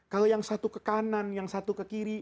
kalau yang satu ke kanan yang satu ke kiri